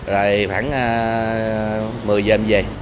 rồi khoảng một mươi giờ em về